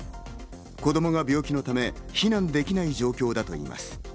子供が病気のため避難できない状況だといいます。